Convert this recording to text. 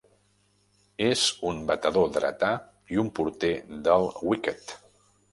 És un batedor dretà i un porter del wicket.